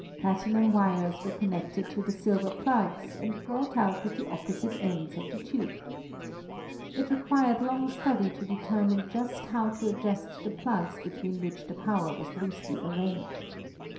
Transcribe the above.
Platinum wires were connected to the silver plugs and brought out at the opposite ends of the tube. It required long study to determine just how to adjust the plugs between which the powder was loosely arranged.